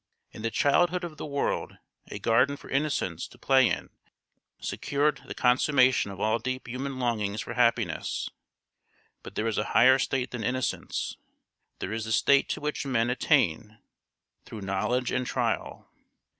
In the childhood of the world a garden for innocence to play in secured the consummation of all deep human longings for happiness; but there is a higher state than innocence: there is the state to which men attain through knowledge and trial.